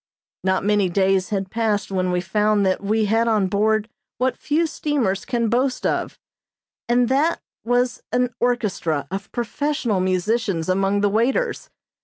Not many days had passed when we found that we had on board what few steamers can boast of, and that was an orchestra of professional musicians among the waiters.